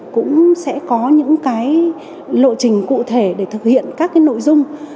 cũng sẽ có những lộ trình cụ thể để thực hiện các nội dung